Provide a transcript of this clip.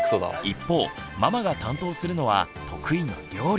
一方ママが担当するのは得意の「料理」。